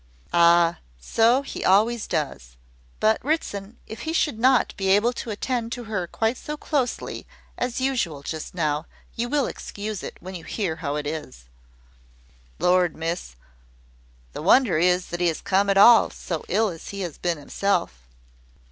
"Ah! so he always does: but Ritson, if he should not be able to attend to her quite so closely as usual, just now, you will excuse it, when you hear how it is." "Lord, Miss! the wonder is that he has come at all, so ill as he has been hisself."